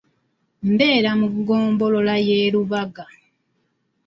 Mbeera mu ggombolola y'e Rubaga.